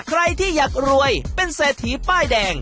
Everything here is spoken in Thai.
ใครที่อยากรวยเป็นเศรษฐีป้ายแดง